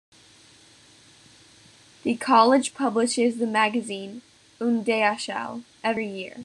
The college publishes the magazine "Udayachal" every year.